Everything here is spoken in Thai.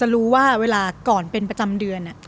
รู้ว่าเวลาก่อนเป็นประจำเดือน